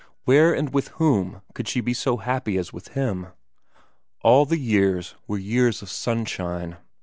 Where and with whom could she be so happy as with him ? All the years were years of sunshine.